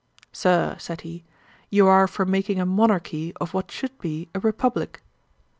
'Sir, (said he,) you are for making a monarchy of what should be a republick.'